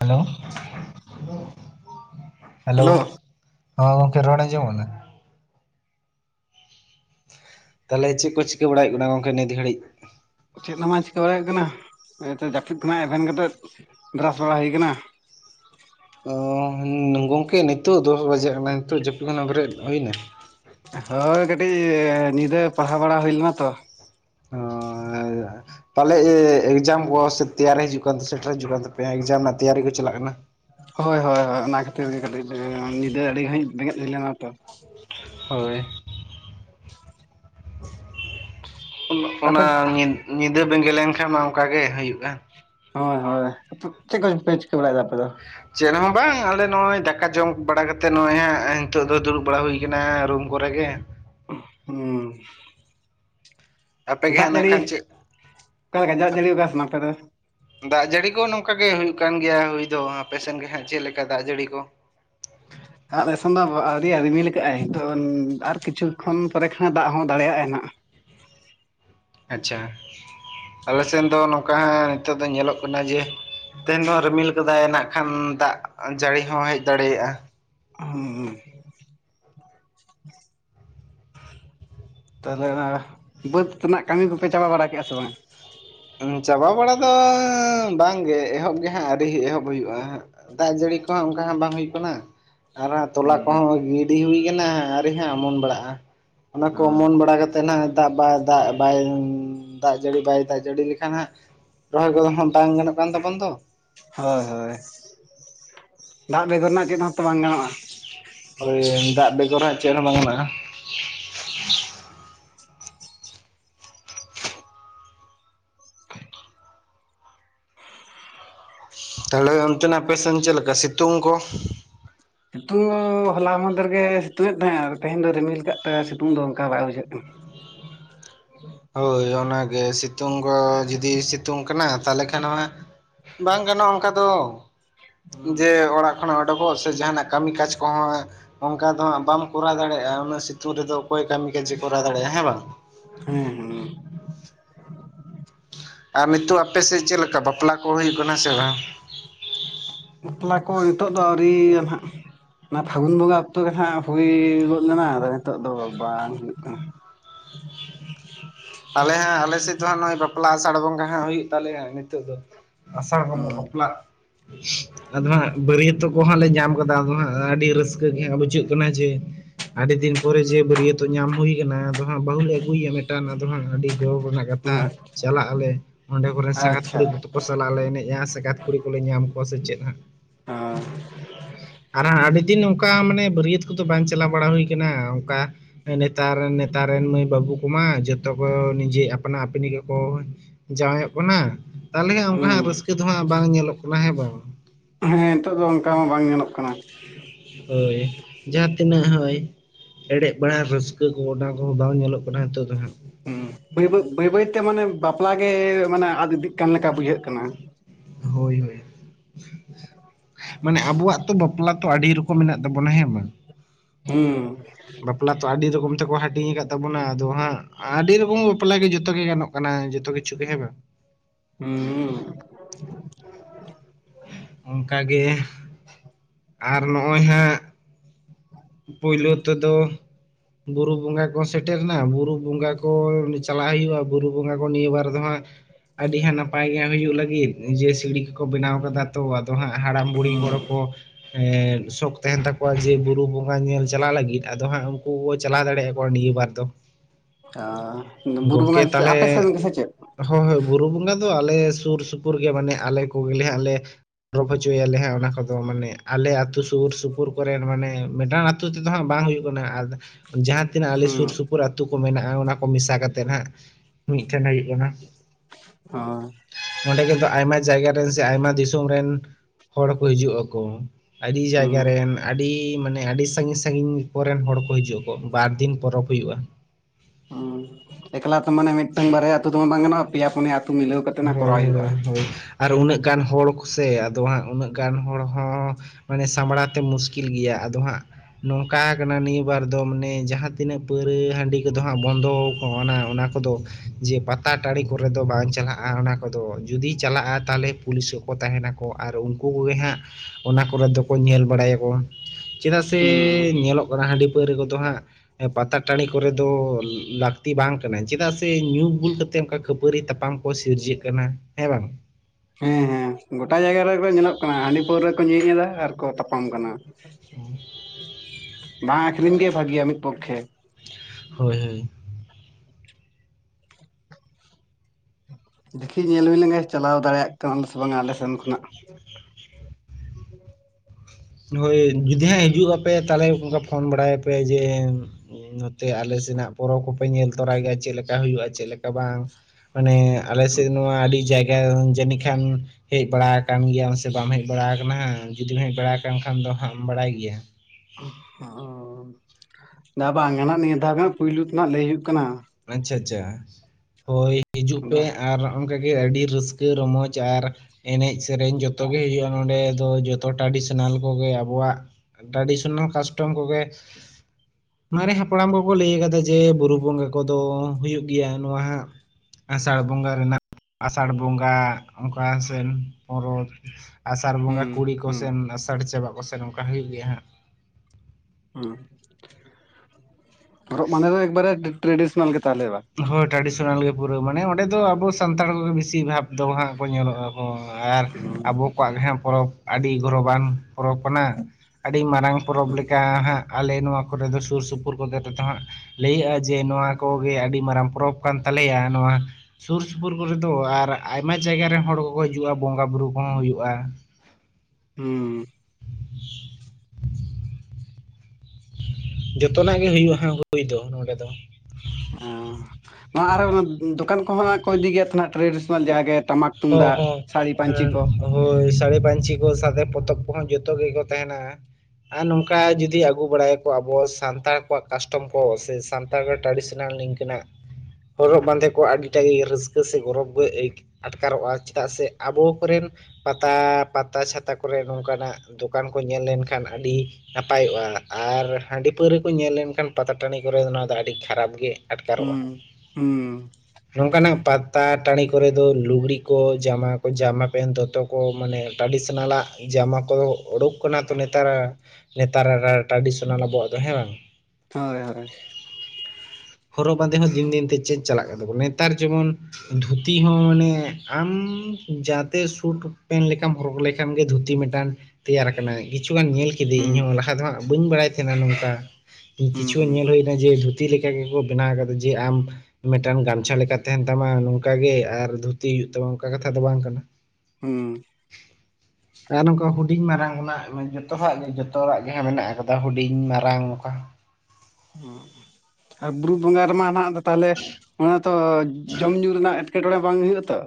Hello hello, ᱦᱚᱸ ᱜᱚᱢᱠᱮ ᱨᱚᱲ ᱟᱡᱚᱢᱚ ᱠᱟᱱᱟ? ᱛᱟᱦᱚᱞᱮ ᱪᱤᱜ ᱠᱚ ᱪᱤᱠᱟᱹ ᱵᱟᱲᱟ ᱦᱩᱭᱩᱜ ᱠᱟᱱᱟ ᱜᱚᱝᱠᱮ ᱱᱤᱛ ᱜᱷᱟᱹᱲᱤᱡ? ᱪᱮᱫ ᱦᱚᱸᱢᱟ ᱪᱤᱠᱟᱹ ᱵᱟᱲᱟ ᱦᱩᱭᱩᱜ ᱠᱟᱱᱟ, ᱮᱭ ᱛᱚ ᱡᱟᱹᱯᱤᱫ ᱠᱷᱚᱱᱟᱜ ᱮᱵᱷᱮᱱ ᱠᱟᱛᱮᱫ ᱵᱮᱨᱟᱥ ᱵᱟᱲᱟ ᱦᱩᱭ ᱠᱟᱱᱟ᱾ ᱚ ᱜᱚᱝᱠᱮ ᱱᱤᱛᱚᱜ ᱫᱚᱥ ᱵᱟᱡᱟᱜ ᱠᱟᱱᱟ ᱱᱤᱛᱚᱜ ᱡᱟᱹᱯᱤᱜ ᱠᱷᱚᱱᱟᱜ ᱵᱮᱨᱮᱫ ᱦᱩᱭ ᱱᱟ᱾ ᱦᱳ ᱠᱟᱹᱴᱤ ᱧᱤᱫᱟᱹ ᱯᱟᱲᱦᱟ ᱵᱟᱲᱟ ᱦᱩᱭ ᱞᱮᱱᱟ ᱛᱚ᱾ ᱦᱚᱸᱻ ᱛᱟᱦᱚᱞᱮ ᱮᱻ ᱮᱠᱡᱟᱢ ᱠᱚ ᱥᱮ ᱛᱮᱭᱟᱨ ᱦᱤᱡᱩᱜ ᱠᱟᱱ ᱥᱮᱴᱮᱨ ᱦᱤᱡᱩᱜ ᱠᱟᱱ ᱛᱟᱯᱮᱭᱟ ᱮᱠᱡᱟᱢ ᱨᱮᱱᱟᱜ ᱛᱮᱭᱟᱨᱤ ᱠᱚ ᱪᱟᱞᱟᱜ ᱠᱟᱱᱟ᱾ ᱦᱳᱭ, ᱦᱳᱭ, ᱦᱳᱭ, ᱚᱱᱟ ᱠᱷᱟᱹᱛᱤᱨ ᱜᱮ ᱠᱟᱹᱴᱤᱡ ᱧᱤᱫᱟᱹ ᱟᱹᱰᱤ ᱜᱷᱟᱹᱲᱤᱡ ᱵᱮᱸᱜᱮᱫ ᱦᱩᱭ ᱞᱮᱱᱟ ᱛᱚ᱾ [inaudible] ᱦᱳᱭ [inaudible] ᱟᱯᱮ ᱚᱱᱟ ᱧᱤ-ᱧᱤᱫᱟᱹ ᱵᱮᱸᱜᱮ ᱞᱮᱱᱠᱷᱟ ᱢᱟ ᱚᱱᱠᱟ ᱜᱮ ᱦᱩᱭᱩᱜᱼᱟ᱾ ᱦᱳᱭ ᱦᱳᱭ [unintelligible] ᱪᱤᱠᱟᱹ ᱵᱟᱲᱟᱭ ᱫᱟ ᱟᱯᱮ ᱫᱚ? ᱪᱮᱫ ᱦᱚᱸ ᱵᱟᱝ ᱟᱞᱮ ᱱᱚᱜᱼᱚᱭ ᱫᱟᱠᱟ ᱡᱚᱢ ᱵᱟᱲᱟ ᱠᱟᱛᱮᱜ ᱱᱚᱜᱼᱚᱭ ᱦᱟᱸᱜ ᱮᱸ ᱱᱤᱛᱚᱜ ᱫᱚ ᱫᱩᱲᱩᱵ ᱵᱟᱲᱟ ᱦᱩᱭ ᱠᱤᱱᱟ ᱨᱩᱢ ᱠᱚᱨᱮ ᱜᱮ᱾ ᱦᱩᱸ ᱟᱯᱮ ᱜᱮ ᱦᱟᱸᱜ ᱫᱟᱜ ᱱᱟᱜ ᱡᱟᱹᱲᱤ ᱠᱷᱟᱱ ᱪᱮᱫ ᱚᱠᱟ [unintelligible] ᱟᱯᱮ ᱫᱚ ᱫᱟᱜ ᱡᱟᱹᱲᱤ ᱠᱚ ᱱᱚᱝᱠᱟ ᱜᱮ ᱦᱩᱭᱩᱜ ᱠᱟᱱ ᱜᱮᱭᱟ ᱦᱩᱭ ᱫᱚ, ᱟᱯᱮ ᱥᱮᱱ ᱜᱮ ᱦᱟᱸᱜ ᱪᱮᱜ ᱞᱮᱠᱟ ᱫᱟᱜ ᱡᱟᱹᱲᱤ ᱠᱚ? [inaudible] ᱟᱜᱞᱮ ᱥᱮᱱ ᱫᱚ ᱵᱟ ᱟᱹᱰᱤ ᱟ ᱨᱤᱢᱤᱞ ᱠᱟᱜᱼᱟᱭ ᱛᱚ ᱩᱱ ᱟᱨ ᱠᱤᱪᱷᱩ ᱠᱷᱚᱱ ᱯᱚᱨᱮ ᱠᱷᱟᱱᱮ ᱫᱟᱜ ᱦᱚᱸ ᱫᱟᱲᱮᱭᱟᱜᱼᱟᱭ ᱦᱟᱸᱜ ᱾ ᱟᱪᱪᱷᱟ, ᱟᱞᱮ ᱥᱮᱱ ᱫᱚ ᱱᱚᱝᱠᱟ ᱦᱟᱸ ᱱᱤᱛᱚᱜ ᱫᱚ ᱧᱮᱞᱚᱜ ᱠᱟᱱᱟ ᱡᱮ ᱛᱮᱦᱮᱱ ᱫᱚ ᱨᱤᱢᱤᱞ ᱠᱟᱫᱟᱭ ᱱᱟᱜᱠᱷᱟᱱ ᱫᱟᱜ ᱡᱟᱹᱲᱤ ᱦᱚᱸ ᱦᱮᱡ ᱫᱟᱲᱮᱭᱟᱜᱼᱟ᱾ ᱦᱩ [unintelligible] ᱛᱟᱦᱞᱮ ᱚᱱᱟ ᱵᱟᱹᱫᱽ ᱛᱮᱱᱟᱜ ᱠᱟᱹᱢᱤ ᱠᱚᱯᱮ ᱪᱟᱵᱟ ᱵᱟᱲᱟ ᱠᱮᱫᱮᱜᱼᱟ ᱥᱮ ᱵᱟᱝ? ᱩᱸ ᱪᱟᱵᱟ ᱵᱟᱲᱟ ᱫᱚᱻ ᱵᱟᱝ ᱜᱮ ᱮᱦᱚᱵ ᱜᱮ ᱦᱟᱸᱜ ᱟᱹᱣᱨᱤ ᱮᱦᱚᱵ ᱦᱩᱭᱩᱜᱼᱟ ᱦᱟᱸᱜ᱾ ᱫᱟᱜ ᱡᱟᱹᱲᱤ ᱠᱚᱦᱚᱸ ᱚᱱᱠᱟ ᱦᱟᱸᱜ ᱵᱟᱝ ᱦᱩᱭᱩᱜ ᱠᱟᱱᱟ᱾ ᱟᱨ ᱦᱟᱸᱜ ᱛᱚᱞᱟ ᱠᱚᱦᱚᱸ ᱜᱤᱰᱤ ᱦᱩᱭ ᱠᱟᱱᱟ ᱦᱟ ᱟᱣᱨᱤ ᱦᱟᱸᱜ ᱚᱢᱚᱱ ᱵᱟᱲᱟᱜᱼᱟ, ᱚᱱᱟ ᱠᱚ ᱚᱢᱚᱱ ᱵᱟᱲᱟ ᱠᱟ ᱛᱮ ᱱᱟᱦᱜ ᱫᱟᱜᱽ ᱵᱟ ᱫᱟᱜᱽ ᱵᱟᱭ ᱫᱟᱜᱽ ᱡᱟᱹᱲᱤ ᱵᱟᱭ ᱫᱟᱜᱽ ᱡᱟᱹᱲᱤ ᱞᱮᱠᱷᱟᱱ ᱦᱟᱸᱜ ᱨᱚᱦᱚᱭ ᱠᱚᱫᱚ ᱵᱟᱝ ᱜᱟᱱᱚᱜ ᱠᱟᱱ ᱛᱟᱵᱚᱱ ᱫᱚ ᱦᱚᱭ ᱼ ᱦᱚᱭ ᱫᱟᱜ ᱵᱮᱜᱚᱨ ᱱᱟᱦᱜ ᱪᱮᱫ ᱦᱚᱸᱛᱚ ᱵᱟᱝ ᱜᱟᱱᱚᱜᱼᱟ ᱦᱚᱭ ᱫᱟᱜ ᱵᱮᱜᱚᱨ ᱦᱟᱸᱜ ᱪᱮᱫ ᱦᱚᱸ ᱵᱟᱝ ᱜᱟᱱᱚᱜᱼᱟ [inaudible] ᱛᱟᱦᱞᱮ ᱚᱱᱛᱮᱱᱟᱜᱼᱟ ᱟᱯᱮ ᱥᱮᱱ ᱪᱮᱜ ᱞᱮᱠᱟ ᱥᱤᱛᱩᱝ ᱠᱚ? ᱛᱩ ᱦᱚᱞᱟ ᱢᱟᱦᱫᱮᱨ ᱜᱮ ᱥᱤᱛᱩᱝ ᱮᱫ ᱛᱟᱦᱮᱸᱜ ᱼ ᱟ ᱟᱨ ᱛᱮᱦᱮᱧ ᱫᱚᱭ ᱨᱤᱢᱤᱞ ᱠᱟᱜ ᱛᱮᱭ ᱥᱤᱛᱩᱝ ᱫᱚ ᱚᱱᱠᱟ ᱵᱟᱭ ᱵᱩᱡᱷᱟᱹᱜ ᱠᱟᱱᱟ ᱦᱚᱭ ᱚᱱᱟᱜᱮ ᱥᱤᱛᱩᱝ ᱜᱚ ᱡᱩᱫᱤ ᱥᱤᱛᱩᱝ ᱠᱟᱱᱟ ᱛᱟᱦᱚᱞᱮ ᱠᱷᱟᱱ ᱱᱚᱣᱟ ᱵᱟᱝ ᱜᱟᱱᱚᱜᱼᱟ ᱚᱱᱠᱟ ᱫᱚ ᱡᱮ ᱚᱲᱟᱜ ᱠᱷᱚᱱᱟᱜ ᱚᱰᱚᱜᱚᱜ ᱥᱮ ᱡᱟᱦᱟᱱᱟᱜ ᱠᱟᱹᱢᱤ ᱠᱟᱡᱽ ᱠᱚ ᱦᱚᱸᱭ ᱚᱱᱠᱟ ᱫᱚ ᱦᱟᱸᱜ ᱵᱟᱢ ᱠᱚᱨᱟᱣ ᱫᱟᱲᱮᱭᱟᱜᱼᱟ ᱩᱱᱟᱹᱜ ᱥᱤᱛᱩᱝ ᱨᱮᱫᱚ ᱚᱠᱚᱭ ᱠᱟᱹᱢᱤ ᱠᱟᱡᱮ ᱠᱚᱨᱟᱣ ᱫᱟᱲᱮᱭᱟᱜᱼᱟ ᱦᱮᱸ ᱵᱟᱝ ᱦᱩᱸᱻ ᱦᱩᱸ ᱟᱨ ᱱᱤᱛᱚᱜ ᱟᱯᱮ ᱥᱮᱜ ᱪᱮᱫ ᱞᱮᱠᱟ ᱵᱟᱯᱞᱟ ᱠᱚ ᱦᱩᱭᱩᱜ ᱠᱟᱱᱟ ᱥᱮ ᱵᱟᱝ? ᱵᱟᱯᱞᱟ ᱠᱚ ᱱᱤᱛᱚᱜ ᱫᱚ ᱟᱹᱣᱨᱤ ᱭᱟ ᱱᱦᱟᱜ ᱚᱱᱟ ᱯᱷᱟᱹᱜᱩᱱ ᱵᱚᱸᱜᱟ ᱚᱠᱛᱚ ᱜᱮ ᱱᱷᱟᱜ ᱦᱩᱭ ᱜᱚᱫ ᱞᱮᱱᱟ ᱟᱫᱚ ᱱᱤᱛᱚᱜ ᱫᱚ ᱵᱟᱝ ᱦᱩᱭᱩᱜ ᱠᱟᱱᱟ [unintelligible] ᱟᱞᱮ ᱦᱟᱸᱜ ᱟᱞᱮ ᱥᱮᱫ ᱫᱚ ᱱᱚᱜᱼᱚᱭ ᱵᱟᱯᱞᱟ ᱟᱥᱟᱲ ᱵᱚᱸᱜᱟ ᱦᱟᱸᱜ ᱦᱩᱭᱩᱜ ᱛᱟᱞᱮᱭᱟᱮ ᱱᱤᱛᱚ ᱫᱚ, ᱟᱥᱟᱲ ᱵᱚᱸᱜᱟ ᱵᱟᱯᱞᱟᱜ ᱟᱫᱚ ᱦᱟᱸᱜ ᱵᱟᱹᱨᱭᱟᱹᱛᱚᱜ ᱠᱚ ᱦᱟᱸᱜ ᱞᱮ ᱧᱟᱢ ᱜᱚᱫᱟ ᱦᱟᱸᱜ ᱟᱹᱰᱤ ᱨᱟᱹᱥᱠᱟᱹ ᱜᱮ ᱦᱟᱸᱜ ᱵᱩᱡᱷᱟᱹᱜ ᱠᱟᱱᱟ ᱡᱮ ᱟᱹᱰᱤ ᱫᱤᱱ ᱯᱚᱨᱮ ᱡᱮ ᱵᱟᱹᱨᱭᱟᱹᱛᱚᱜ ᱧᱟᱢ ᱦᱩᱭ ᱟᱠᱟᱱᱟ ᱟᱫᱚ ᱦᱟᱸᱜ ᱵᱟᱹᱦᱩ ᱞᱮ ᱟᱹᱜᱩ ᱮᱭᱟ ᱢᱤᱫᱴᱟᱱ ᱛᱚ ᱦᱟᱸᱜ ᱟᱹᱰᱤ ᱜᱚᱨᱚᱵᱽ ᱨᱮᱱᱟᱜ ᱠᱟᱛᱷᱟ ᱪᱟᱞᱟᱜ ᱟᱞᱮ ᱚᱸᱰᱮ ᱠᱚᱨᱮᱱ ᱥᱟᱸᱜᱟᱛ ᱟᱪᱪᱷᱟ ᱠᱩᱲᱤ ᱠᱚ ᱠᱚ ᱥᱟᱞᱟᱜ ᱞᱮ ᱮᱱᱮᱡᱼᱟ ᱥᱟᱝᱜᱟᱛ ᱠᱩᱲᱤ ᱠᱚᱞᱮ ᱧᱟᱢ ᱠᱚᱣᱟ ᱥᱮ ᱪᱮᱫ ᱦᱟᱸᱜ ᱟᱻ ᱟᱨ ᱦᱟᱸᱜ ᱟᱹᱰᱤ ᱫᱤᱱ ᱱᱚᱝᱠᱟ ᱢᱟᱱᱮ ᱵᱟᱹᱨᱭᱟᱹᱛ ᱠᱚᱫᱚ ᱵᱟᱝ ᱪᱟᱞᱟᱣ ᱵᱟᱲᱟ ᱦᱩᱭ ᱠᱟᱱᱟ ᱚᱝᱠᱟ ᱱᱮᱛᱟᱨ ᱱᱮᱛᱟᱨ ᱨᱮᱱ ᱢᱟᱹᱭ ᱵᱟᱹᱵᱩ ᱠᱚᱢᱟ ᱡᱚᱛ ᱛᱚ ᱜᱚ ᱱᱤᱡᱮ ᱟᱯᱱᱟ ᱟᱹᱯᱱᱤ ᱜᱮᱠᱚ ᱡᱟᱶᱟᱭ-ᱚᱜ ᱠᱟᱱᱟ ᱛᱟᱦᱞᱮ ᱦᱟᱸᱜ ᱚᱝᱠᱟ ᱦᱩᱸ ᱦᱟᱸᱜ ᱨᱟᱹᱥᱠᱟᱹ ᱫᱚ ᱦᱟᱸᱜ ᱵᱟᱝ ᱧᱮᱞᱚᱜ ᱠᱟᱱᱟ ᱦᱮᱸ ᱵᱟᱝ ᱦᱮᱸ ᱱᱤᱛᱚᱜ ᱫᱚ ᱚᱱᱠᱟ ᱢᱟ ᱵᱟᱝ ᱧᱮᱞᱚᱜ ᱠᱟᱱᱟ ᱦᱳᱭ ᱡᱟᱦᱟᱸ ᱛᱤᱱᱟᱹᱜ ᱦᱳᱭ ᱮᱲᱮᱡ ᱵᱟᱲᱟ ᱨᱟᱹᱥᱠᱟᱹ ᱠᱚ ᱚᱱᱟ ᱠᱚᱦᱚᱸ ᱵᱟᱝ ᱧᱮᱞᱚᱜ ᱠᱟᱱᱟ ᱱᱤᱛᱚᱜ ᱫᱚ ᱦᱟᱸᱜ ᱦᱩᱸ ᱵᱟᱹᱭᱵᱟᱹ ᱵᱟᱹᱭ ᱵᱟᱹᱭ ᱛᱮ ᱢᱟᱱᱮ ᱵᱟᱯᱞᱟ ᱜᱮ ᱢᱟᱱᱮ ᱟᱫ ᱤᱫᱤᱜ ᱠᱟᱱ ᱞᱮᱠᱟ ᱵᱩᱡᱷᱟᱹᱜ ᱠᱟᱱᱟ ᱦᱳᱭ ᱦᱳᱭ ᱢᱟᱱᱮ ᱟᱵᱚᱣᱟᱜ ᱛᱚ ᱵᱟᱯᱞᱟ ᱛᱚ ᱟᱹᱰᱤ ᱨᱚᱠᱚᱢ ᱢᱮᱱᱟᱜ ᱛᱟᱵᱚᱱᱟ ᱦᱮᱸ ᱵᱟᱝ ᱦᱩᱸ ᱵᱟᱯᱞᱟ ᱛᱚ ᱟᱹᱰᱤ ᱨᱚᱠᱚᱢ ᱛᱮᱠᱚ ᱦᱟᱹᱴᱤᱧ ᱠᱟᱫ ᱛᱟᱵᱚᱱᱟ ᱟᱫᱚ ᱦᱟᱸᱜ ᱟᱹᱰᱤ ᱨᱚᱠᱚᱢ ᱵᱟᱯᱞᱟᱜ ᱜᱮ ᱡᱚᱛᱚ ᱜᱮ ᱜᱟᱱᱚᱜ ᱠᱟᱱᱟ ᱡᱚᱛᱚ ᱠᱤᱪᱷᱩ ᱜᱮ ᱦᱮᱸ ᱵᱟᱝ ᱦᱩᱸᱻᱻ ᱚᱱᱠᱟᱜᱮ ᱟᱨ ᱱᱚᱜᱼᱚᱭ ᱦᱟᱸᱜ ᱯᱩᱭᱞᱳ ᱛᱮᱫᱚ ᱵᱩᱨᱩ ᱵᱚᱸᱜᱟ ᱠᱚ ᱥᱮᱴ ᱥᱮᱴᱮᱨᱱᱟ ᱵᱩᱨᱩ ᱵᱚᱸᱜᱟ ᱠᱚ ᱪᱟᱞᱟᱜ ᱦᱩᱭᱩᱜᱼᱟ ᱵᱩᱨᱩ ᱵᱚᱸᱜᱟ ᱠᱚ ᱱᱤᱭᱟᱹ ᱵᱟᱨ ᱫᱚ ᱦᱟᱸᱜ ᱟᱹᱰᱤ ᱦᱟᱸᱜ ᱯᱟᱭ ᱜᱮ ᱦᱩᱭᱩᱜ ᱞᱟᱹᱜᱤᱫ ᱡᱮ ᱥᱤᱲᱤ ᱠᱚᱠᱚ ᱵᱮᱱᱟᱣ ᱠᱟᱫᱟ ᱛᱚ ᱟᱫᱚ ᱦᱟᱸᱜ ᱦᱟᱲᱟᱢ ᱵᱩᱲᱦᱤ ᱦᱚᱲ ᱦᱩᱸ ᱠᱚ ᱮᱸᱻᱫ ᱥᱚᱠ ᱛᱟᱦᱮᱱ ᱛᱟᱠᱚᱣᱟ ᱡᱮ ᱵᱩᱨᱩ ᱵᱚ ᱜᱟ ᱧᱮᱞ ᱪᱟᱞᱟᱜ ᱞᱟᱹᱜᱤᱫ ᱟᱫᱚ ᱦᱟᱸᱜ ᱩᱱᱠᱩ ᱠᱚ ᱠᱚ ᱪᱟᱞᱟᱣ ᱫᱟᱲᱮᱜ ᱟᱠᱚ ᱱᱤᱭᱟᱹ ᱵᱟᱨ ᱫᱚ ᱟ ᱻ ᱵᱩᱨᱩ ᱵᱚᱸᱜᱟ ᱜᱚᱝᱠᱮ ᱟᱯᱮ ᱛᱟᱦᱚᱞᱮ ᱥᱮᱱ ᱜᱮ ᱥᱮ ᱪᱮᱫ? ᱦᱳᱭ ᱦᱳᱭ ᱵᱩᱨᱩ ᱵᱚᱸᱜᱟ ᱫᱚ ᱟᱞᱮ ᱥᱩᱨ ᱥᱩᱯᱩᱨ ᱜᱮ ᱢᱟᱱᱮ ᱟᱞᱮ ᱠᱚᱜᱮᱞᱮ ᱦᱟᱸᱜ ᱞᱮ ᱨᱚᱵ ᱦᱚᱪᱚᱭᱟᱞᱮ ᱦᱟᱸᱜ ᱚᱱᱟ ᱠᱚᱫᱚ ᱢᱟᱱᱮ ᱟᱞᱮ ᱟᱹᱛᱩ ᱥᱩᱨ ᱥᱩᱯᱩᱨ ᱠᱚᱨᱮᱱ ᱢᱟᱱᱮ ᱢᱤᱜᱴᱟᱝ ᱟᱹᱛᱳ ᱛᱮᱫᱚ ᱦᱟᱸᱜ ᱵᱟᱝ ᱦᱩᱭᱩᱜ ᱠᱟᱱᱟ ᱟᱨ ᱡᱟᱦᱟᱸ ᱛᱤᱱᱟᱹᱜ ᱟᱞᱮ ᱦᱩᱸ ᱥᱩᱨ ᱥᱩᱯᱩᱨ ᱟᱛ ᱛᱩ ᱠᱚ ᱢᱮᱱᱟᱜᱼᱟ ᱚᱱᱟ ᱠᱚ ᱢᱮᱥᱟ ᱠᱟᱛᱮᱜ ᱦᱟᱸᱜ ᱢᱤᱜᱴᱷᱮᱱ ᱦᱩᱭᱩᱜ ᱠᱟᱱᱟ ᱦᱳᱭ᱾ ᱚᱸᱰᱮ ᱜᱮ ᱫᱚ ᱟᱭᱢᱟ ᱡᱟᱭᱜᱟ ᱨᱮᱱ ᱥᱮ ᱟᱭᱢᱟ ᱫᱤᱥᱚᱢ ᱨᱮᱱ ᱦᱚᱲ ᱠᱚ ᱦᱤᱡᱩᱜ ᱟᱠᱚ᱾ ᱟᱹᱰᱤ ᱦᱩᱸ ᱡᱟᱭᱜᱟ ᱨᱮᱱ ᱟᱹᱰᱤ ᱢᱟᱱᱮ ᱟᱹᱰᱤ ᱥᱟᱺᱜᱤᱧ ᱥᱟᱺᱜᱤᱧ ᱠᱚᱨᱮᱱ ᱦᱚᱲ ᱠᱚ ᱦᱤᱡᱩᱜᱼᱟ, ᱵᱟᱨ ᱫᱤᱱ ᱯᱚᱨᱚᱵᱽ ᱦᱩᱭᱩᱜᱼᱟ᱾ ᱦᱚᱸ ᱮᱠᱞᱟ ᱛᱮ ᱢᱟᱱᱮ ᱢᱤᱫᱴᱟᱝ ᱵᱟᱨᱭᱟ ᱟᱹᱛᱩ ᱫᱚᱢᱮ ᱵᱟᱝ ᱜᱟᱱᱚᱜ ᱯᱮᱭᱟ ᱯᱩᱱᱤᱛ ᱢᱤᱞᱟᱹᱣ ᱠᱟᱛᱮᱜ ᱱᱟᱜ ᱦᱳᱭ ᱠᱚᱨᱟᱣ ᱦᱳᱭ ᱦᱩᱭᱩᱜᱼᱟ ᱦᱳᱭ ᱟᱨ ᱩᱱᱟᱹᱜ ᱜᱟᱱ ᱦᱚᱲ ᱠᱚᱥᱮ, ᱟᱫᱚ ᱦᱟᱸᱜ ᱩᱱᱟᱹᱜ ᱜᱟᱱ ᱦᱚᱲ ᱦᱚᱸ ᱢᱟᱱᱮ ᱥᱟᱢᱵᱽᱲᱟᱣ ᱛᱮ ᱢᱩᱥᱠᱤᱞ ᱜᱮᱭᱟ ᱟᱫᱚ ᱦᱟᱸᱜ ᱱᱚᱝᱠᱟ ᱠᱟᱱᱟ ᱱᱤᱭᱟᱹ ᱵᱟᱨ ᱫᱚ ᱢᱟᱱᱮ ᱡᱟᱦᱟᱸ ᱛᱤᱱᱟᱹᱜ ᱯᱟᱹᱣᱨᱟᱹ ᱦᱟᱺᱰᱤ ᱠᱚᱫᱚ ᱦᱟᱸᱜ ᱵᱚᱱᱫᱚᱜ ᱚᱱᱟ ᱚᱱᱟ ᱠᱚᱫᱚ ᱡᱮ ᱯᱟᱛᱟ ᱴᱟᱺᱰᱤ ᱠᱚᱨᱮ ᱫᱚ ᱵᱟᱝ ᱪᱟᱞᱟᱜ ᱟᱨ ᱚᱱᱟ ᱠᱚᱫᱚ ᱡᱩᱫᱤᱭ ᱪᱟᱞᱟᱜᱼᱟ, ᱛᱟᱦᱚᱞᱮ ᱯᱩᱞᱤᱥ ᱠᱚᱠᱚ ᱛᱟᱦᱮᱱᱟ ᱠᱚ ᱟᱨ ᱩᱱᱠᱩ ᱠᱚᱜᱮ ᱦᱟᱸᱜ ᱚᱱᱟ ᱠᱚᱨᱮ ᱫᱚᱠᱚ ᱧᱮᱞ ᱵᱟᱲᱟᱭᱟ ᱠᱚ, ᱪᱮᱫᱟᱜ ᱥᱮ ᱦᱩᱸ ᱧᱮᱞᱚᱜ ᱠᱟᱱᱟ ᱦᱟᱺᱰᱤ ᱯᱟᱹᱣᱨᱟᱹ ᱠᱚᱫᱚ ᱦᱟᱸᱜ ᱯᱟᱛᱟ ᱴᱟᱺᱰᱤ ᱠᱚᱨᱮ ᱫᱚ ᱞᱟᱹᱠᱛᱤ ᱵᱟᱝ ᱠᱟᱱᱟ, ᱪᱮᱫᱟᱜ ᱥᱮ ᱧᱩ ᱵᱩᱞ ᱠᱟᱛᱮᱫ ᱚᱱᱠᱟ ᱠᱷᱟᱹᱯᱟᱹᱨᱤ ᱛᱟᱯᱟᱢ ᱠᱚ ᱥᱤᱨᱡᱟᱹᱜ ᱠᱟᱱᱟ ᱦᱮᱸ ᱵᱟᱝ, ᱦᱮᱸ ᱦᱮᱸ ᱜᱚᱴᱟ ᱡᱟᱭᱜᱟ ᱨᱮ ᱧᱮᱞᱚᱜ ᱠᱟᱱᱟ, ᱦᱟᱺᱰᱤ ᱯᱟᱹᱣᱨᱟᱹ ᱨᱮᱠᱚ ᱧᱩ ᱮᱫᱟ ᱟᱨ ᱠᱚ ᱛᱟᱯᱟᱢ ᱟᱠᱟᱱᱟ᱾ ᱵᱟᱝ ᱟᱠᱠᱷᱨᱤᱧ ᱜᱮ ᱵᱷᱟᱹᱜᱮᱭᱟ ᱢᱤᱫ ᱯᱚᱠᱷᱮ᱾ ᱦᱳᱭ ᱦᱳᱭ ᱫᱮᱠᱷᱤ ᱧᱮᱞ ᱵᱮᱱ ᱞᱮᱱᱠᱷᱟᱱ ᱪᱟᱞᱟᱣ ᱫᱟᱲᱮᱭᱟᱜ ᱠᱟᱱᱟᱞ ᱥᱮ ᱵᱟᱝᱼᱟ ᱟᱞᱮ ᱥᱮᱱ ᱠᱷᱚᱱᱟᱜ? ᱦᱳᱭ ᱡᱩᱫᱤ ᱦᱟᱸᱜ ᱦᱤᱡᱩᱜ ᱟᱯᱮ ᱛᱟᱦᱞᱮ ᱚᱱᱠᱟ ᱯᱷᱳᱱ ᱵᱟᱲᱟᱭᱟ ᱟᱯᱮ ᱡᱮ ᱱᱚᱛᱮ ᱟᱞᱮ ᱥᱮᱱᱟᱜ ᱯᱚᱨᱚᱵᱽ ᱦᱚᱸᱯᱮ ᱧᱮᱞ ᱛᱚᱨᱟᱭ ᱜᱮᱭᱟ, ᱪᱮᱫᱞ ᱞᱮᱠᱟ ᱦᱩᱭᱩᱜᱼᱟ, ᱪᱮᱫ ᱞᱮᱠᱟ ᱵᱟᱝ ᱢᱟᱱᱮ? ᱟᱞᱮ ᱥᱮᱫ ᱱᱚᱣᱟ ᱟᱹᱰᱤ ᱡᱟᱭᱜᱟ ᱡᱟᱹᱱᱤ ᱠᱷᱟᱱ ᱦᱮᱡ ᱵᱟᱲᱟ ᱟᱠᱟᱱ ᱜᱮᱭᱟᱢ ᱥᱮ ᱵᱟᱢ ᱦᱮᱡ ᱵᱟᱲᱟ ᱟᱠᱟᱱᱟ᱾ ᱡᱩᱫᱤᱢ ᱦᱮᱡ ᱵᱟᱲᱟ ᱟᱠᱟᱱᱟ ᱵᱟᱝᱠᱷᱟᱱ ᱫᱚ ᱦᱟᱸᱜ ᱮᱢ ᱵᱟᱲᱟᱭ ᱜᱮᱭᱟ᱾ ᱚ ᱫᱟ ᱵᱟᱝ ᱱᱤᱭᱟᱹ ᱫᱷᱟᱣ ᱜᱮᱱᱟᱜ ᱯᱩᱭᱞᱩ ᱛᱮ ᱱᱟᱜ ᱞᱟᱹᱭ ᱦᱩᱭᱩᱜ ᱠᱟᱱᱟ᱾ ᱟᱪᱪᱷᱟ ᱟᱪᱪᱷᱟ ᱦᱳᱭ ᱦᱤᱡᱩᱜ ᱯᱮ ᱟᱫᱚ ᱟᱨ ᱚᱱᱠᱟ ᱜᱮ ᱟᱹᱰᱤ ᱨᱟᱹᱥᱠᱟᱹ ᱨᱚᱢᱚᱡᱽ ᱟᱨ ᱮᱱᱮᱡ ᱥᱮᱨᱮᱧ ᱡᱚᱛᱚ ᱜᱮ ᱦᱩᱭᱩᱜᱼᱟ᱾ ᱱᱚᱸᱰᱮ ᱫᱚ ᱡᱚᱛᱚ ᱴᱨᱟᱰᱤᱥᱚᱱᱟᱞ ᱠᱚᱜᱮ ᱟᱵᱚᱣᱟᱜ ᱴᱨᱟᱰᱤᱥᱳᱱᱟᱞ ᱠᱟᱥᱴᱚᱢ ᱠᱚᱜᱮ ᱢᱟᱨᱮ ᱦᱟᱯᱲᱟᱢ ᱠᱚᱠᱚ ᱞᱟᱹᱭ ᱠᱟᱫᱟ ᱡᱮ ᱵᱩᱨᱩ ᱵᱚᱸᱜᱟ ᱠᱚᱫᱚ ᱦᱩᱭᱩᱜ ᱜᱮᱭᱟ, ᱱᱚᱣᱟ ᱦᱟᱸᱜ ᱟᱥᱟᱲ ᱵᱚᱸᱜᱟ ᱨᱮᱱᱟᱜ ᱟᱥᱟᱲ ᱵᱚᱸᱜᱟ ᱚᱱᱠᱟ ᱥᱮᱱ ᱯᱚᱨᱚᱵᱽ ᱟᱥᱟᱲ ᱵᱚᱸᱜᱟ ᱦᱩᱸ ᱠᱩᱲᱤ ᱦᱩᱸ ᱠᱚᱥᱮᱱ ᱟᱥᱟᱲ ᱪᱟᱵᱟᱜ ᱠᱚᱥᱮᱱ ᱚᱱᱠᱟ ᱦᱩᱭᱩᱜ ᱜᱮᱭᱟ ᱦᱟᱸᱜ᱾ ᱦᱮᱸ ᱦᱚᱨᱚᱜ ᱵᱟᱥᱮ ᱢᱟᱱᱮ ᱫᱚ ᱮᱠᱵᱟᱨᱮ ᱴᱨᱮᱰᱤᱥᱚᱱᱟᱞ ᱜᱮᱛᱟ ᱞᱮ ᱵᱟᱝ? ᱦᱳᱭ ᱴᱨᱟᱰᱤᱥᱚᱱᱟᱞ ᱜᱮ ᱯᱩᱨᱟᱹ ᱢᱟᱱᱮ ᱚᱸᱰᱮ ᱫᱚ ᱟᱵᱚ ᱥᱟᱱᱛᱟᱲ ᱠᱚᱜᱮ ᱵᱤᱥᱤ ᱵᱷᱟᱵᱽ ᱫᱚ ᱦᱟᱸᱜ ᱠᱚ ᱧᱮᱞᱚᱜᱼᱟ᱾ ᱚ ᱟᱨ ᱟᱵᱚ ᱠᱚᱣᱟᱜ ᱜᱮ ᱦᱮᱸ ᱯᱚᱨᱚᱵᱽ ᱟᱹᱰᱤ ᱜᱚᱨᱚᱵᱟᱱ ᱯᱚᱨᱚᱵᱽ ᱠᱟᱱᱟ ᱟᱹᱰᱤ ᱢᱟᱨᱟᱝ ᱯᱚᱨᱚᱵᱽ ᱞᱮᱠᱟ ᱦᱟᱸᱜ ᱟᱞᱮ ᱱᱚᱣᱟ ᱠᱚᱨᱮ ᱫᱚ ᱥᱩᱨ ᱥᱩᱯᱩᱨ ᱠᱚᱜᱮ ᱛᱮᱫᱚ ᱦᱟᱸᱜ ᱞᱟᱹᱭᱟᱹᱜᱼᱟ ᱡᱮ ᱱᱚᱣᱟ ᱠᱚᱜᱮ ᱟᱹᱰᱤ ᱢᱟᱨᱟᱝ ᱯᱚᱨᱚᱵᱽ ᱠᱟᱱ ᱛᱟᱞᱮᱭᱟ᱾ ᱱᱚᱣᱟ ᱥᱩᱨ ᱥᱩᱯᱩᱨ ᱠᱚᱨᱮ ᱫᱚ ᱟᱨ ᱟᱭᱢᱟ ᱡᱟᱭᱜᱟ ᱨᱮᱱ ᱦᱚᱲ ᱠᱚᱠᱚ ᱦᱤᱡᱩᱜᱼᱟ, ᱵᱚᱸᱜᱟᱼᱵᱩᱨᱩ ᱠᱚᱦᱚᱸ ᱦᱩᱭᱩᱜᱼᱟ᱾ ᱦᱩᱸ ᱡᱚᱛᱚᱱᱟᱜ ᱜᱮ ᱦᱩᱭᱩᱜᱼᱟ ᱦᱟᱸᱜ ᱦᱩᱭ ᱫᱚ ᱱᱚᱸᱰᱮ ᱫᱚ᱾ ᱚᱸ ᱱᱚᱣᱟ ᱟᱨᱦᱚᱸ ᱚᱱᱟ ᱫᱚᱠᱟᱱ ᱠᱚᱦᱚᱸ ᱱᱟᱜ ᱠᱚ ᱤᱫᱤ ᱜᱮ ᱛᱟᱦᱮᱱᱟ ᱴᱨᱮᱰᱤᱥᱚᱱᱟᱞ ᱡᱟᱜᱮ ᱴᱟᱢᱟᱠ ᱦᱚᱸ ᱛᱩᱢᱫᱟᱜ ᱦᱚᱸ ᱥᱟᱹᱲᱤ ᱯᱟᱧᱪᱤ ᱮᱸ ᱠᱚ? ᱦᱳᱭ ᱥᱟᱹᱲᱤ ᱯᱟᱧᱪᱤ ᱠᱚ ᱥᱟᱶᱛᱮ ᱯᱚᱛᱚᱵ ᱠᱚᱦᱚᱸ ᱡᱚᱛᱚ ᱜᱮᱠᱚ ᱛᱟᱦᱮᱱᱟ᱾ ᱟᱨ ᱱᱚᱝᱠᱟ ᱡᱩᱫᱤ ᱟᱹᱜᱩ ᱵᱟᱲᱟᱭᱟᱠᱚ ᱟᱵᱚ ᱥᱟᱱᱛᱟᱲ ᱠᱚᱣᱟᱜ ᱠᱟᱥᱴᱚᱢ ᱠᱚ ᱥᱮ ᱥᱟᱱᱛᱟᱲ ᱠᱚᱣᱟᱜ ᱴᱨᱟᱰᱤᱥᱚᱱᱟᱞ ᱱᱤᱝᱠᱟ ᱠᱟᱹᱱᱟᱜ ᱦᱚᱨᱚᱜ ᱵᱟᱸᱫᱮ ᱠᱚ ᱟᱹᱰᱤᱴᱟ ᱜᱮ ᱨᱟᱹᱥᱠᱟᱹ ᱥᱮ ᱜᱚᱨᱚᱵᱽ ᱜᱮ ᱟᱹᱭᱠᱟᱹ ᱟᱴᱠᱟᱨᱚᱜᱼᱟ᱾ ᱪᱮᱫᱟᱜ ᱥᱮ ᱟᱵᱚ ᱠᱚᱨᱮᱱ ᱯᱟᱛᱟ ᱯᱟᱛᱟ ᱪᱷᱟᱛᱟ ᱠᱚᱨᱮ ᱱᱚᱝᱠᱟᱱᱟᱜ ᱫᱚᱠᱟᱱ ᱠᱚ ᱧᱮᱞ ᱞᱮᱱᱠᱷᱟᱱ ᱟᱹᱰᱤ ᱱᱟᱯᱟᱭᱚᱜᱼᱟ ᱟᱨ ᱦᱟᱺᱰᱤ ᱯᱟᱹᱶᱨᱟᱹ ᱠᱚ ᱧᱮᱞ ᱞᱮᱱᱠᱷᱟᱱ ᱯᱟᱛᱟ ᱴᱟᱺᱰᱤ ᱠᱚᱨᱮ ᱫᱚ ᱱᱚᱣᱟ ᱫᱚ ᱟᱹᱰᱤ ᱠᱷᱟᱨᱟᱯ ᱜᱮ ᱦᱩᱸ ᱟᱴᱠᱟᱨᱚᱜᱼᱟ᱾ ᱦᱩᱸ ᱱᱚᱝᱠᱟᱱᱟᱜ ᱯᱟᱛᱟ ᱴᱟᱺᱰᱤ ᱠᱚᱨᱮ ᱫᱚ ᱞᱩᱜᱽᱲᱤ ᱠᱚ ᱡᱟᱢᱟ ᱠᱚ ᱡᱟᱢᱟ ᱯᱮᱱ ᱫᱚᱛᱚ ᱠᱚ ᱢᱟᱱᱮ ᱴᱨᱟᱰᱤᱥᱚᱱᱟᱞᱟᱜ ᱡᱟᱢᱟ ᱠᱚᱫᱚ ᱚᱰᱳᱠ ᱠᱟᱱᱟ ᱛᱚ ᱱᱮᱛᱟᱨ ᱱᱮᱛᱟᱨ ᱴᱨᱟᱰᱤᱥᱚᱱᱟᱞ ᱟᱵᱚᱣᱟᱜ ᱫᱚ ᱦᱮᱸ ᱵᱟᱝ? ᱦᱳᱭ ᱦᱳᱭ ᱦᱚᱨᱚᱜ ᱵᱟᱸᱫᱮ ᱦᱚᱸ ᱫᱤᱱ ᱫᱤᱱ ᱛᱮ ᱪᱮᱡ ᱪᱟᱞᱟᱜ ᱠᱟᱱ ᱛᱟᱵᱚᱱᱟ᱾ ᱱᱮᱛᱟᱨ ᱡᱮᱢᱚᱱ ᱫᱷᱩᱛᱤ ᱦᱚᱸ ᱢᱟᱱᱮ ᱟᱢ ᱡᱟᱛᱮ ᱥᱩᱴ ᱯᱮᱱ ᱞᱮᱠᱟᱢ ᱦᱚᱨᱚᱜ ᱞᱮ ᱠᱷᱟᱱ ᱜᱮ ᱫᱷᱩᱛᱤ ᱢᱤᱫᱴᱟᱝ ᱛᱮᱭᱟᱨ ᱠᱟᱱᱟᱭ᱾ ᱠᱤᱪᱷᱩ ᱜᱟᱱ ᱧᱮᱞ ᱠᱮᱫᱤᱧ ᱦᱩᱸ ᱤᱧᱦᱚᱸ ᱞᱟᱦᱟ ᱫᱚ ᱦᱟᱸᱜ ᱵᱟᱹᱧ ᱵᱟᱲᱟᱭ ᱛᱟᱦᱮᱸᱱᱟ ᱱᱚᱝᱠᱟ ᱤᱧ ᱦᱩᱸ ᱠᱤᱪᱷᱩᱧ ᱦᱩᱸ ᱧᱮᱞ ᱦᱩᱭ ᱱᱟ ᱡᱮ ᱫᱷᱩᱛᱤ ᱞᱮᱠᱟ ᱜᱮᱠᱚ ᱵᱮᱱᱟᱣ ᱠᱟᱫᱟ ᱡᱮ ᱟᱢ ᱢᱤᱫᱴᱟᱝ ᱜᱟᱢᱪᱷᱟ ᱞᱮᱠᱟ ᱛᱟᱦᱮᱱ ᱛᱟᱢᱟ ᱱᱚᱝᱠᱟᱜ ᱜᱮ ᱟᱨ ᱫᱷᱩᱛᱤ ᱦᱩᱭᱩᱜ ᱛᱟᱢᱟ ᱚᱝᱠᱟ ᱠᱟᱛᱷᱟ ᱫᱚ ᱵᱟᱝ ᱠᱟᱱᱟ᱾ ᱦᱩᱸ ᱟᱨ ᱱᱚᱝᱠᱟ ᱦᱩᱰᱤᱧ ᱢᱟᱨᱟᱝ ᱚᱱᱟᱜ ᱡᱚᱛᱚᱣᱟᱜ ᱜᱮ ᱡᱚᱛᱚ ᱦᱟᱲᱟᱜ ᱜᱮ ᱦᱟᱸ ᱢᱮᱱᱟᱜ ᱠᱟᱫᱟ ᱦᱩᱰᱤᱧ ᱢᱟᱨᱟᱝ ᱱᱚᱝᱠᱟ᱾ ᱦᱩᱸ ᱟᱨ ᱵᱩᱨᱩ ᱵᱚᱸᱜᱟ ᱨᱮᱢᱟ ᱱᱟᱦᱟᱜ ᱫᱚ ᱛᱟᱦᱞᱮ ᱚᱱᱟ ᱛᱚ ᱡᱚᱢ ᱧᱩ ᱨᱮᱱᱟᱜ ᱮᱸᱴ ᱠᱮᱴᱚᱬᱮ ᱵᱟᱝ ᱦᱩᱭᱩᱜᱼᱟ ᱛᱚ?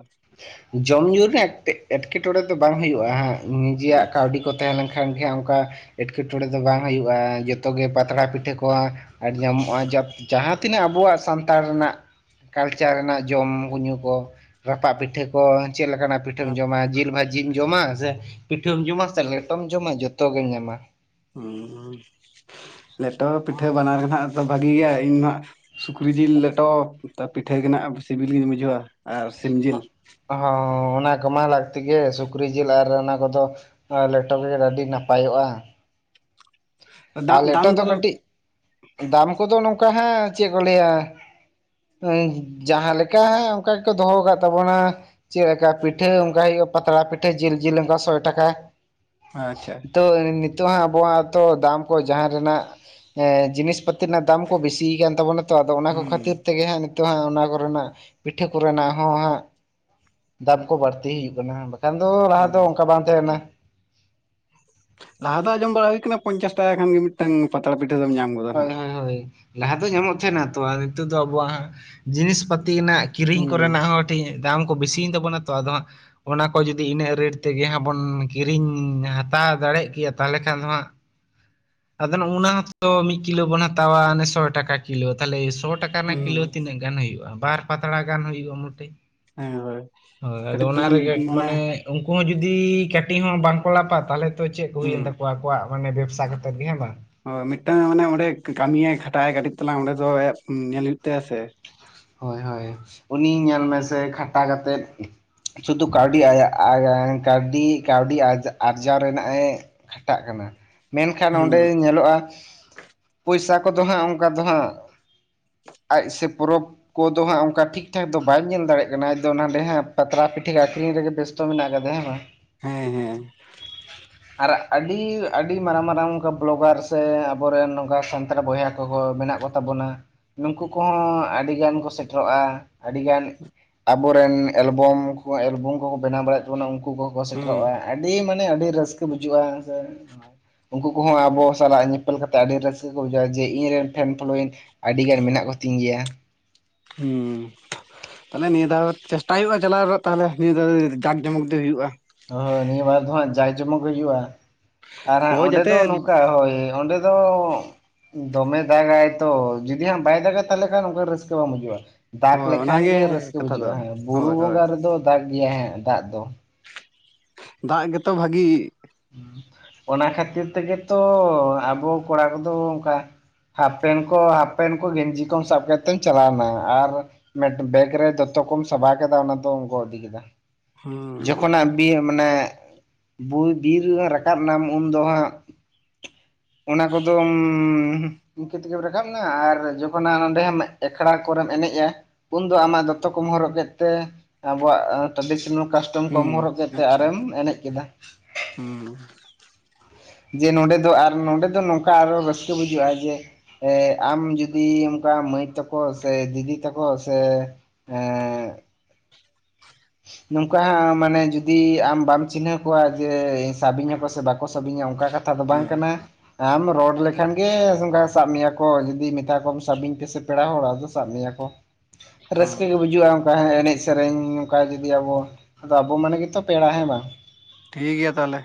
ᱡᱚᱢ ᱧᱩ ᱨᱮᱱᱟᱜ ᱮᱠ ᱮᱴᱠᱮᱴᱚᱬᱮ ᱫᱚ ᱵᱟᱝ ᱦᱩᱭᱩᱜᱼᱟ ᱦᱟᱸᱜ ᱱᱤᱡᱮᱨᱭᱟᱜ ᱟᱪᱪᱷᱟ ᱠᱟᱹᱣᱰᱤ ᱠᱚ ᱛᱟᱦᱮᱸ ᱞᱮᱱᱠᱷᱟᱱ ᱜᱮ ᱦᱟᱸᱜ ᱚᱝᱠᱟ ᱮᱴᱠᱮᱴᱚᱬᱮ ᱫᱚ ᱵᱟᱝ ᱦᱩᱭᱩᱜᱼᱟ, ᱡᱚᱛᱚᱜᱮ ᱯᱟᱛᱲᱟ ᱯᱤᱴᱷᱟᱹ ᱠᱚ ᱦᱚᱸ ᱟᱹᱰᱤ ᱧᱟᱢᱚᱜᱼᱟ ᱡᱟᱯ ᱡᱟᱦᱟᱸ ᱛᱤᱱᱟᱹᱜ ᱟᱵᱚᱣᱟᱜ ᱥᱟᱱᱛᱟᱲ ᱨᱮᱱᱟᱜ ᱠᱟᱞᱪᱟᱨ ᱨᱮᱱᱟᱜ ᱡᱚᱢ ᱧᱩ ᱠᱚ, ᱨᱟᱯᱟᱜ ᱯᱤᱴᱷᱟᱹ ᱠᱚ ᱪᱮᱫ ᱞᱮᱠᱟᱱᱟᱜ ᱯᱤᱴᱷᱟᱹᱢ ᱡᱚᱢᱟ ᱡᱤᱞ ᱵᱷᱟᱹ ᱡᱤᱢ ᱡᱚᱢᱟ ᱥᱮ ᱯᱤᱴᱷᱟᱹᱢ ᱡᱚᱢᱟ ᱥᱮ, ᱞᱮᱴᱚᱢ ᱡᱚᱢᱟ ᱡᱚᱛᱚ ᱜᱮᱢ ᱧᱟᱢᱟ᱾ ᱦᱚᱸᱢ ᱞᱮᱴᱚ ᱯᱤᱴᱷᱟᱹ ᱵᱟᱱᱟᱨ ᱜᱮ ᱱᱟᱦᱟᱜ ᱛᱚ ᱵᱷᱟᱹᱜᱤ ᱜᱮᱭᱟ, ᱤᱧ ᱢᱟ ᱦᱟᱸᱜ ᱥᱩᱠᱨᱤ ᱡᱤᱞ ᱞᱮᱴᱚ ᱛᱟ ᱯᱤᱴᱷᱟᱹ ᱜᱮ ᱱᱟᱜ ᱥᱤᱵᱤᱞ ᱜᱤᱧ ᱵᱩᱡᱷᱟᱹᱣᱟ ᱟᱨ ᱥᱤᱢ ᱡᱤᱞ᱾ ᱦᱚᱸ ᱚᱱᱟ ᱠᱚᱢᱟ ᱞᱟᱹᱠᱛᱤ ᱜᱮ, ᱥᱩᱠᱨᱤ ᱡᱤᱞ ᱟᱨ ᱚᱱᱟ ᱠᱚᱫᱚ ᱟᱨ ᱞᱮᱴᱚ ᱜᱮ ᱟᱹᱰᱤ ᱱᱟᱯᱟᱭᱚᱜᱼᱟ᱾ ᱟᱨ ᱫᱟᱢ ᱫᱟᱢ ᱞᱮᱴᱚ ᱫᱚ ᱠᱚᱫᱚ ᱠᱟᱹᱴᱤᱜ ᱫᱟᱢ ᱠᱚᱫᱚ ᱱᱚᱝᱠᱟ ᱦᱟᱸᱜ ᱪᱮᱜ ᱠᱚ ᱞᱟᱹᱭᱟ ᱮᱸ ᱡᱟᱦᱟᱸ ᱞᱮᱠᱟ ᱦᱟᱸᱜ ᱚᱝᱠᱟ ᱜᱮᱠᱚ ᱫᱚᱦᱚ ᱠᱟᱜ ᱛᱟᱵᱚᱱᱟ ᱪᱮᱫ ᱞᱮᱠᱟ ᱯᱤᱴᱷᱟᱹ ᱚᱝᱠᱟ ᱦᱩᱭᱩᱜᱼᱟ ᱯᱟᱛᱲᱟ ᱯᱤᱴᱷᱟᱹ ᱡᱤᱞ ᱡᱤᱞ ᱚᱝᱠᱟ ᱥᱚᱭ ᱴᱟᱠᱟ᱾ ᱟᱪᱪᱷᱟ ᱛᱚ ᱱᱤ ᱛᱚᱜ ᱦᱟᱸᱜ ᱟᱵᱚᱣᱟᱜ ᱦᱚᱸᱛᱚ ᱫᱟᱢ ᱠᱚ ᱡᱟᱦᱟᱸ ᱨᱮᱱᱟᱜ ᱮᱸ ᱡᱤᱱᱤᱥ ᱯᱟᱹᱛᱤ ᱨᱮᱱᱟᱜ ᱫᱟᱢ ᱠᱚ ᱵᱤᱥᱤ ᱠᱟᱱ ᱛᱟᱵᱚᱱᱟ᱾ ᱛᱚ ᱟᱫᱚ ᱚᱱᱟ ᱠᱚ ᱦᱩᱸ ᱠᱷᱟᱹᱛᱤᱨ ᱛᱮᱜᱮ ᱦᱟᱸᱜ ᱱᱤᱛᱚᱜ ᱦᱟᱸᱜ ᱚᱱᱟ ᱠᱚᱨᱮᱱᱟᱜ ᱯᱤᱴᱷᱟᱹ ᱠᱚᱨᱮᱱᱟᱜ ᱦᱚᱸ ᱦᱟᱸᱜ ᱫᱟᱢ ᱠᱚ ᱵᱟᱹᱲᱛᱤ ᱦᱩᱭᱩᱜ ᱠᱟᱱᱟ, ᱵᱟᱠᱷᱟᱱ ᱫᱚ ᱞᱟᱦᱟ ᱫᱚ ᱦᱩᱸ ᱚᱱᱠᱟ ᱵᱟᱝ ᱛᱟᱦᱮᱸ ᱠᱟᱱᱟ᱾ ᱞᱟᱦᱟ ᱫᱚ ᱟᱸᱡᱚᱢ ᱵᱟᱲᱟ ᱦᱩᱭ ᱟᱠᱟᱱᱟ ᱯᱚᱧᱪᱟᱥ ᱴᱟᱠᱟ ᱠᱷᱟᱱ ᱜᱮ ᱢᱤᱫᱴᱟᱝ ᱯᱟᱛᱲᱟ ᱯᱤᱴᱷᱟᱹ ᱫᱚᱢ ᱧᱟᱢ ᱜᱚᱫ᱾ ᱦᱳᱭ ᱦᱳᱭ ᱦᱳᱭ ᱞᱟᱦᱟ ᱫᱚ ᱧᱟᱢᱚᱜ ᱛᱟᱦᱮᱱᱟ ᱛᱚ ᱟ ᱱᱤᱛᱚᱜ ᱫᱚ ᱟᱵᱚᱣᱟᱜ ᱦᱟᱸᱜ ᱡᱤᱱᱤᱥ ᱯᱟᱹᱛᱤ ᱨᱮᱱᱟᱜ ᱠᱤᱨᱤᱧ ᱦᱩᱸ ᱠᱚᱨᱮᱱᱟᱜ ᱦᱚᱸ ᱠᱟᱹᱴᱷᱤᱠ ᱫᱟᱢ ᱠᱚ ᱵᱤᱥᱤᱭᱮᱱ ᱛᱟᱵᱚᱱᱟ ᱛᱚ ᱟᱫᱚ ᱦᱟᱸᱜ ᱚᱱᱟ ᱠᱚ ᱡᱩᱫᱤ ᱤᱱᱟᱹᱜ ᱨᱮᱹᱴ ᱛᱮᱜᱮ ᱦᱟᱸᱜ ᱵᱚᱱ ᱠᱤᱨᱤᱧ ᱦᱟᱛᱟᱣ ᱫᱟᱲᱮᱜ ᱠᱮᱭᱟ ᱛᱟᱦᱚᱞᱮ ᱠᱷᱟᱱ ᱫᱚ ᱦᱟᱸᱜ ᱟᱫᱚ ᱚᱱᱟ ᱦᱚᱸᱛᱚ ᱢᱤᱜ ᱠᱤᱞᱳ ᱵᱚᱱ ᱦᱟᱛᱟᱣᱟ ᱚᱱᱮ ᱥᱚᱭ ᱴᱟᱠᱟ ᱠᱤᱞᱳ ᱛᱷᱟᱞᱮ ᱥᱚ ᱴᱟᱠᱟ ᱦᱩᱸ ᱨᱮᱱᱟᱜ ᱠᱤᱞᱳ ᱛᱤᱱᱟᱹᱜ ᱜᱟᱱ ᱦᱩᱭᱩᱜᱼᱟ? ᱵᱟᱨ ᱯᱟᱛᱲᱟ ᱜᱟᱱ ᱦᱩᱭᱩᱜᱟ ᱢᱚᱴᱮ᱾ ᱦᱮᱸ ᱦᱳᱭ ᱟᱫᱚ ᱠᱟᱹᱴᱤᱡ ᱚᱱᱟ ᱛᱟᱞᱟᱝ ᱨᱮ ᱜᱮ ᱢᱟᱱᱮ ᱩᱝᱠᱩ ᱦᱚᱸ ᱡᱩᱫᱤ ᱠᱟᱹᱴᱤᱡ ᱦᱚᱸ ᱵᱟᱝᱠᱚ ᱞᱟᱯᱟ ᱛᱟᱦᱞᱮ ᱛᱚ ᱪᱮᱜ ᱠᱚ ᱦᱩᱸ ᱦᱩᱭᱮᱱ ᱛᱟᱠᱚᱣᱟ ᱟᱠᱚᱣᱟᱜ ᱢᱟᱱᱮ ᱵᱮᱵᱥᱟ ᱛᱮᱫ ᱜᱮ ᱦᱮᱸ ᱵᱟᱝ᱾ ᱦᱳᱭ ᱢᱤᱴᱟᱝ ᱢᱟᱱᱮ ᱚᱸᱰᱮ ᱠᱟᱹᱢᱤ ᱭᱟᱭ ᱠᱷᱟᱴᱟᱜᱼᱟᱭ ᱠᱟᱹᱴᱤᱡ ᱛᱟᱞᱟᱝ ᱚᱸᱰᱮ ᱫᱚ ᱟᱭᱟᱜ ᱧᱮᱞ ᱦᱩᱭᱩᱜ ᱛᱟᱭᱟ ᱥᱮ᱾ ᱦᱳᱭ ᱦᱳᱭ ᱩᱱᱤ ᱧᱮᱞ ᱢᱮᱥᱮ ᱠᱷᱟᱴᱟ ᱠᱟᱛᱮᱫ ᱥᱩᱫᱩ ᱠᱟᱣᱰᱤ ᱟᱭᱟᱜ ᱟᱭ-ᱟᱭ ᱠᱟᱣᱰᱤ ᱠᱟᱣᱰᱤ ᱟᱨᱡᱟᱣ ᱨᱮᱱᱟᱜ ᱮ ᱠᱷᱟᱴᱟᱜ ᱠᱟᱱᱟ᱾ ᱢᱮᱱᱠᱷᱟᱱ ᱦᱩᱸ ᱚᱸᱰᱮ ᱧᱮᱞᱚᱜᱼᱟ, ᱯᱚᱭᱥᱟ ᱠᱚᱫᱚ ᱦᱟᱸᱜ ᱚᱝᱠᱟ ᱫᱚ ᱦᱟᱸᱜ ᱟᱡ ᱥᱮ ᱯᱚᱨᱚᱵᱽ ᱠᱚᱫᱚ ᱦᱟᱸᱜ ᱚᱝᱠᱟ ᱴᱷᱤᱠ ᱴᱷᱟᱠ ᱫᱚ ᱵᱟᱭ ᱧᱮᱞ ᱫᱟᱲᱮᱜ ᱠᱟᱱᱟ ᱟᱡᱫᱚ ᱱᱟᱸᱰᱮ ᱦᱟᱸᱜ ᱯᱟᱛᱲᱟ ᱯᱤᱴᱷᱟᱹ ᱟᱠᱷᱨᱤᱧ ᱨᱮᱜᱮ ᱵᱮᱥ ᱛᱚ ᱢᱮᱱᱟᱜ ᱟᱠᱟᱫᱮ ᱦᱮᱸ ᱵᱟᱝ᱾ ᱦᱮᱸ ᱦᱮᱸ ᱟᱨ ᱟᱹᱰᱤ ᱟᱹᱰᱤ ᱢᱟᱨᱟᱝ ᱢᱟᱨᱟᱝ ᱚᱝᱠᱟ ᱵᱞᱚᱜᱟᱨ ᱥᱮ ᱟᱵᱚᱨᱮᱱ ᱱᱚᱝᱠᱟ ᱥᱟᱱᱛᱟᱲ ᱵᱚᱭᱦᱟ ᱠᱚ ᱠᱚ ᱢᱮᱱᱟᱜ ᱛᱟᱵᱚᱱᱟ ᱱᱩᱝᱠᱩ ᱠᱚᱦᱚᱸ ᱟᱹᱰᱤ ᱜᱟᱱ ᱠᱚ ᱥᱮᱴᱮᱨᱚᱜᱼᱟ, ᱟᱹᱰᱤᱜᱟᱱ ᱟᱵᱚᱨᱮᱱ ᱮᱞᱵᱚᱢ ᱠᱚ ᱮᱞᱵᱚᱢ ᱠᱚᱠᱚ ᱵᱮᱱᱟᱣ ᱵᱟᱲᱟᱭᱮᱫ ᱚᱱᱮ ᱩᱝᱠᱩ ᱠᱚᱦᱚ ᱠᱚ ᱦᱩᱸ ᱥᱮᱴᱮᱨᱚᱜᱼᱟ ᱟᱹᱰᱤ ᱢᱟᱱᱮ ᱟᱹᱰᱤ ᱨᱟᱹᱥᱠᱟᱹ ᱵᱩᱡᱩᱜᱼᱟ᱾ ᱩᱝᱠᱩ ᱠᱚᱦᱚᱸ ᱟᱵᱚ ᱥᱟᱞᱟᱜ ᱧᱮ ᱠᱷᱮᱞ ᱠᱟᱛᱮ ᱟᱹᱰᱤ ᱨᱟᱹᱥᱠᱟᱹ ᱠᱚ ᱵᱩᱡᱷᱟᱹᱣᱟ ᱡᱮ, ᱤᱧ ᱨᱮᱱ ᱯᱷᱮᱱ ᱯᱷᱳᱞᱳᱭᱤᱝ ᱟᱹᱰᱤ ᱜᱟᱱ ᱢᱮᱱᱟᱜ ᱠᱚᱛᱤᱧ ᱜᱮᱭᱟ᱾ ᱦᱩᱸ ᱛᱟᱞᱮ ᱱᱤᱭᱟᱹ ᱫᱷᱟᱣ ᱪᱮᱥᱴᱟᱭ ᱦᱩᱭᱩᱜᱟ ᱪᱟᱞᱟᱣ ᱨᱮᱱᱟᱜ ᱛᱟᱦᱞᱮ ᱱᱤᱭᱟᱹ ᱫᱷᱟ ᱡᱟᱠ ᱡᱚᱢᱚᱠ ᱜᱤ ᱦᱩᱭᱩᱜᱼᱟ᱾ ᱦᱳ ᱱᱤᱭᱟᱹ ᱵᱟᱨ ᱫᱚ ᱦᱟᱸᱜ ᱡᱟᱭ ᱡᱚᱢᱚᱠ ᱜᱮ ᱦᱩᱭᱩᱜᱟ, ᱟᱨ ᱦᱟᱸᱜ ᱦᱳᱭ ᱚᱸᱰᱮ ᱡᱟᱛᱮ ᱫᱚ ᱱᱚᱝᱠᱟ ᱦᱳᱭ ᱚᱸᱰᱮ ᱫᱚ ᱫᱚᱢᱮ ᱫᱟᱜᱟᱭ ᱛᱚ ᱡᱩᱫᱤ ᱦᱟᱸᱜ ᱵᱟᱭ ᱫᱟᱜᱟ ᱛᱟᱦᱞᱮ ᱠᱷᱟᱱ ᱚᱝᱠᱟ ᱨᱟᱹᱥᱠᱟᱹ ᱵᱟᱝ ᱵᱩᱡᱩᱜᱼᱟ᱾ ᱫᱟᱜᱽ ᱦᱳᱭ ᱞᱮᱠᱷᱟᱱ ᱚᱱᱟᱜᱮ ᱜᱮ ᱨᱟᱹᱥᱠᱟᱹ ᱠᱟᱛᱷᱟ ᱫᱚ ᱵᱩᱡᱩᱜᱼᱟ ᱦᱟᱸᱜ ᱵᱩᱨᱩ ᱦᱳᱭ ᱦᱳᱭ ᱵᱚᱸᱜᱟ ᱨᱮᱫᱚ ᱫᱟᱜᱽ ᱜᱮᱭᱟᱟᱭ ᱦᱟᱸᱜ ᱫᱟᱜ ᱫᱚ᱾ ᱫᱟᱜ ᱜᱮᱛᱚ ᱵᱷᱟᱜᱤ᱾ ᱚᱱᱟ ᱠᱷᱟᱹᱛᱤᱨ ᱛᱮᱜᱮ ᱛᱚ ᱟᱵᱚ ᱠᱚᱲᱟ ᱠᱚᱫᱚ ᱚᱝᱠᱟ ᱦᱟᱯ ᱯᱮᱱ ᱠᱚ ᱦᱟᱯ ᱯᱮᱱ ᱠᱚ ᱜᱮᱧᱡᱤ ᱠᱚᱢ ᱥᱟᱵ ᱠᱮᱜᱛᱮᱢ ᱪᱟᱞᱟᱣᱱᱟ, ᱟᱨ ᱢᱮᱰ ᱵᱮᱜ ᱨᱮ ᱫᱚᱛᱚ ᱠᱚᱢ ᱥᱟᱵᱟᱣ ᱠᱮᱫᱟ ᱚᱱᱟ ᱫᱚᱢ ᱜᱚ ᱤᱫᱤ ᱠᱮᱫᱟ᱾ ᱦᱩᱸ ᱡᱚᱠᱷᱚᱱᱟᱜ ᱵᱤ ᱢᱟᱱᱮ ᱵᱩ ᱵᱤᱨ ᱨᱟᱠᱟᱵ ᱱᱟᱢ ᱩᱱᱫᱚ ᱦᱟᱸᱜ ᱚᱱᱟ ᱠᱚᱫᱚᱢ ᱤᱝᱠᱟᱹ ᱛᱮᱜᱮᱢ ᱨᱟᱠᱟᱵᱱᱟ ᱟᱨ ᱡᱚᱠᱷᱚᱱ ᱦᱟᱸᱜ ᱚᱸᱰᱮᱢ ᱮᱠᱷᱲᱟ ᱠᱚᱨᱮᱢ ᱮᱱᱮᱡᱼᱟ᱾ ᱩᱱᱫᱚ ᱟᱢᱟᱜ ᱫᱚᱛᱚ ᱠᱚᱢ ᱦᱚᱨᱚᱜ ᱠᱮᱫ ᱛᱮ ᱟᱵᱚᱣᱟᱜ ᱴᱟᱺᱰᱤ ᱥᱮᱱᱟ ᱠᱟᱥᱴᱚᱢ ᱠᱚᱢ ᱦᱚᱨᱚᱜ ᱦᱩᱸ ᱠᱮᱛᱮ ᱟᱪᱪᱷᱟ ᱟᱨᱮᱢ ᱮᱱᱮᱡ ᱠᱮᱫᱟ᱾ ᱦᱩᱸ ᱡᱮ ᱱᱚᱸᱰᱮ ᱫᱚ ᱟᱨ ᱱᱚᱸᱰᱮ ᱫᱚ ᱱᱚᱝᱠᱟ ᱟᱨᱚ ᱨᱟᱹᱥᱠᱟᱹ ᱵᱩᱡᱷᱟᱹᱜᱼᱟ ᱡᱮ ᱮ ᱟᱢ ᱡᱩᱫᱤ ᱚᱝᱠᱟ ᱢᱟᱹᱭ ᱛᱟᱠᱚ ᱥᱮ, ᱫᱤᱫᱤ ᱛᱟᱠᱚ ᱥᱮ ᱮᱸᱻ ᱱᱚᱝᱠᱟ ᱦᱟᱸᱜ ᱢᱟᱱᱮ ᱡᱩᱫᱤ ᱟᱢ ᱵᱟᱢ ᱪᱤᱱᱦᱟᱹᱣ ᱠᱚᱣᱟ, ᱡᱮ ᱥᱟᱵᱤ ᱧᱟᱠᱚ ᱥᱮ ᱵᱟᱠᱚ ᱥᱟᱵᱤᱧᱟ ᱚᱝᱠᱟ ᱠᱟ ᱛᱷᱟ ᱫᱚ ᱵᱟᱝ ᱦᱮᱸ ᱠᱟᱱᱟ᱾ ᱟᱢ ᱨᱚᱲ ᱞᱮᱠᱷᱟᱱ ᱜᱮ ᱚᱝᱠᱟ ᱥᱟᱵ ᱢᱮᱭᱟ ᱠᱚ, ᱡᱩᱫᱤ ᱢᱮᱛᱟ ᱠᱚᱢ ᱥᱟᱵᱤᱧ ᱯᱮᱥᱮ ᱯᱮᱲᱟ ᱦᱚᱲ ᱟᱫᱚ ᱥᱟᱵ ᱢᱮᱭᱟ ᱠᱚ᱾ ᱦᱮᱸ ᱨᱟᱹᱥᱠᱟᱹ ᱜᱮ ᱵᱩᱡᱩᱟ ᱚᱝᱠᱟ ᱮᱱᱮᱡ ᱥᱮᱨᱮᱧ᱾ ᱠᱟ ᱡᱩᱫᱤ ᱟᱵᱚ ᱟᱫᱚ, ᱟᱵᱚ ᱢᱟᱱᱮ ᱜᱮᱛᱚ ᱯᱮᱲᱟ ᱦᱮᱸ ᱵᱟᱝ᱾ ᱴᱷᱤᱠ ᱜᱮᱭᱟ ᱛᱟᱦᱞᱮ᱾